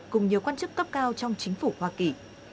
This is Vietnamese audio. cùng nhiều quan chức cấp cao trong chính phủ hoa kỳ